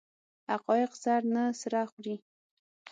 حقایق سر نه سره خوري.